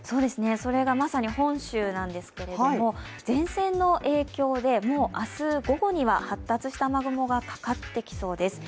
それが、まさに本州なんですけども、前線の影響でもう明日午後には発達した雨雲がかかってきそうです。